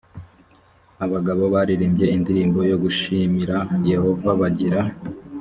abagabo baririmbye indirimbo yo gushimira yehova bagira